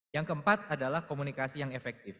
yang keempat adalah komunikasi yang efektif